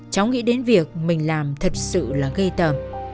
cháu nghĩ đến việc mình làm thật sự là gây tầm